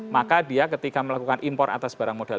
maka dia ketika melakukan impor atas barang modal